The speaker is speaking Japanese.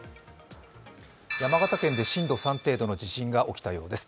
山形県で震度３程度の地震が起きたようです。